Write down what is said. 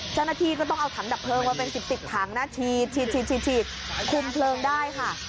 เจ้าหน้าที่ก็ต้องเอาถังดับเพลิงมาเป็น๑๐ถังนะฉีดคุมเพลิงได้ค่ะ